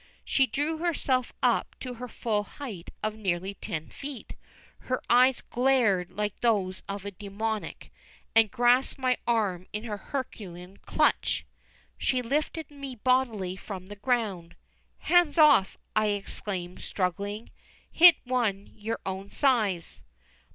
She drew herself up to her full height of nearly ten feet, her eyes glared like those of a demoniac, and grasping my arm in her Herculean clutch, she lifted me bodily from the ground. "Hands off!" I exclaimed, struggling. "Hit one your own size!"